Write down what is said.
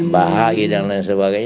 bahai dan lain sebagainya